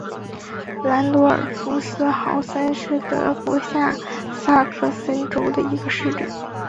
兰多尔夫斯豪森是德国下萨克森州的一个市镇。